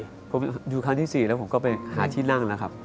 ผมอยู่ครั้งที่๔แล้วผมก็ไปหาที่นั่งแล้วครับ